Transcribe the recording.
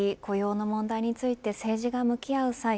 この景気、雇用の問題について政治が向き合う際